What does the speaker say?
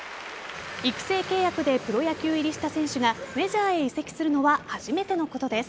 育成契約でプロ野球入りした選手がメジャーへ移籍するのは初めてのことです。